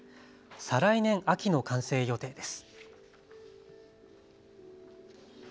再来年秋の完成予定です。